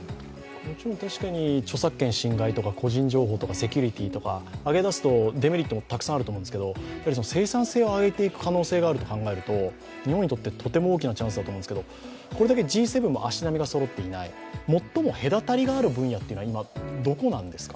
確かに著作権侵害とか、セキュリティーとか、挙出すとデリットもたくさんあると思うんですけれども生産性を上げていくと考えると日本にとってもとても大きなチャンスだと思うんですけど、これだけＧ７も足並みがそろっていない、最も隔たりがある分野はどこですか。